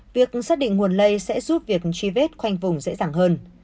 việc xác định nguồn lây sẽ giúp việc truy vết khoanh vùng dễ dàng hơn